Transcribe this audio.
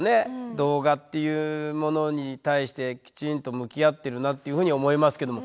動画っていうものに対してきちんと向き合ってるなっていうふうに思いますけども。